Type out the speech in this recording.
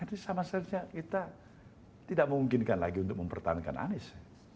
jadi sama sama kita tidak memungkinkan lagi untuk mempertahankan anies